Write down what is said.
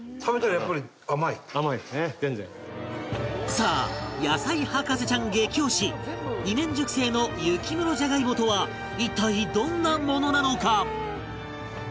さあ野菜博士ちゃん激推し２年熟成の雪室じゃがいもとは一体どんなものなのか？